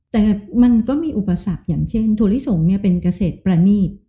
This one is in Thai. แต่มันก็มีอุปสรรคอย่างเช่นถั่วลิสงเป็นเกษตรประณีต